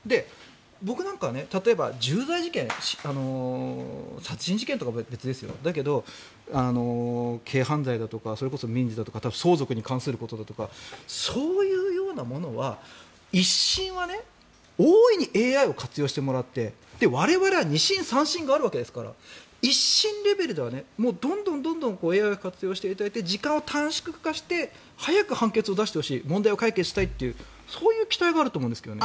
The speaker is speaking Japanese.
僕なんかは例えば重罪事件殺人事件とかは別ですよだけど、軽犯罪だとかそれこそ民事だとか相続に関することだとかそういうようなものは、１審は大いにＡＩを活用してもらって我々は２審、３審があるわけですから１審レベルではどんどんＡＩを活用して時間を短縮化して早く判決を出してほしい問題を解決したいというそういう期待があると思うんですけどね。